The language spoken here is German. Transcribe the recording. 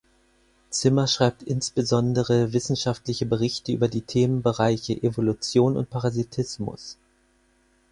Zimmer schreibt insbesondere wissenschaftliche Berichte über die Themenbereiche Evolution und Parasitismus.